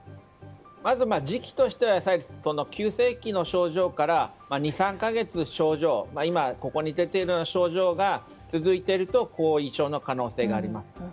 まず、時期としては急性期の症状から２３か月ここに出ている症状が出ていると後遺症の可能性があります。